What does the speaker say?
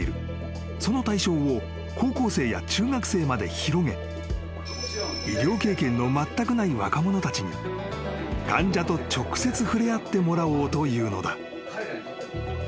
［その対象を高校生や中学生まで広げ医療経験のまったくない若者たちに患者と直接触れ合ってもらおうというのだ］